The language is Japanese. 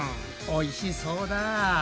おいしそうだ。